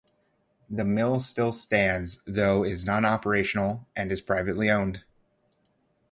The mill still stands, though is nonoperational, and is privately owned.